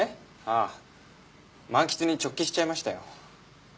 ああ漫喫に直帰しちゃいましたよ。